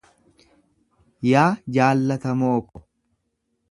Yaa jaallatamoo ko.